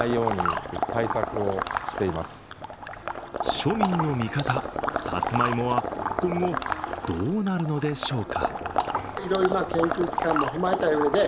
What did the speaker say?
庶民の味方、サツマイモは今後どうなるのでしょうか。